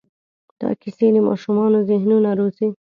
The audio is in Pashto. دا کیسې د ماشومانو ذهنونه روزي.